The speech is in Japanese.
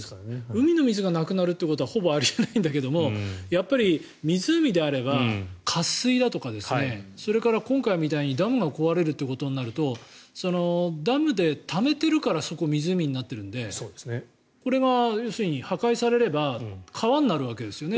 海の水がなくなることはほぼあり得ないんだけどやっぱり、湖であれば渇水だとかそれから今回みたいにダムが壊れるということになるとダムでためてるからそこが湖になってるのでこれが要するに破壊されれば川になるわけですよね。